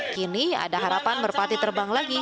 kini ada harapan merpati terbang lagi